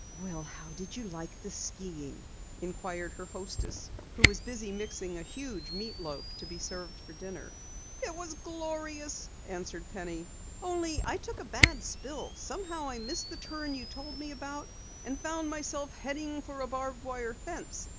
"Well, how did you like the skiing?" inquired her hostess who was busy mixing a huge meat loaf to be served for dinner. "It was glorious," answered Penny, "only I took a bad spill. Somehow I missed the turn you told me about, and found myself heading for a barbed wire fence.